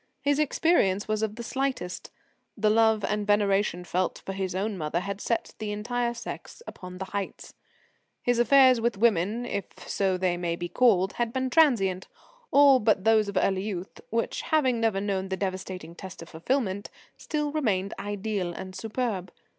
His experience was of the slightest; the love and veneration felt for his own mother had set the entire sex upon the heights. His affairs with women, if so they may be called, had been transient all but those of early youth, which having never known the devastating test of fulfilment, still remained ideal and superb.